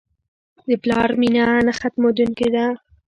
د پلار مینه نه ختمېدونکې ده.